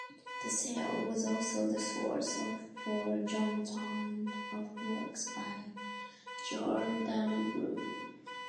The sale was also the source for John Toland of works by Giordano Bruno.